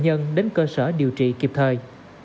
nhân đến cơ sở điều trị kịp thời